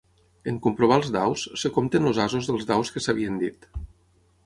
En comprovar els daus, es compten els asos dels daus que s'havien dit.